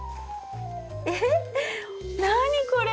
えっ何これ？